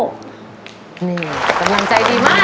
สำหรับใจดีมาก